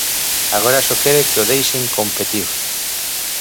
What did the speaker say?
Agora só quere que o deixen competir.